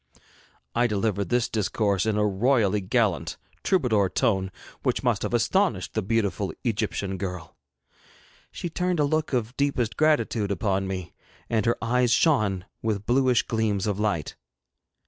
I delivered this discourse in a royally gallant, troubadour tone which must have astonished the beautiful Egyptian girl. She turned a look of deepest gratitude upon me, and her eyes shone with bluish gleams of light.